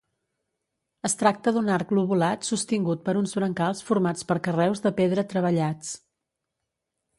Es tracta d'un arc lobulat sostingut per uns brancals formats per carreus de pedra treballats.